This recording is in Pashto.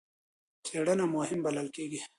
څېړنه مهمه بلل کېږي.